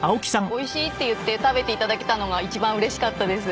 「おいしい」って言って食べて頂けたのが一番嬉しかったです。